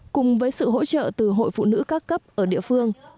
cùng với sự hỗ trợ từ hội phụ nữ các cấp ở địa phương